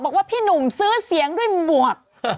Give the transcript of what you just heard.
พี่หนุ่มซื้อเสียงด้วยหมวก